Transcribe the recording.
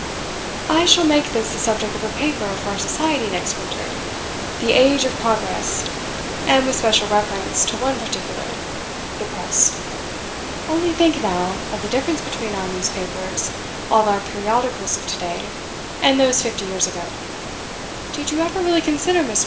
'I shall make this the subject of a paper for our Society next winter the Age of Progress. And with special reference to one particular the Press. Only think now, of the difference between our newspapers, all our periodicals of to day, and those fifty years ago. Did you ever really consider, Miss.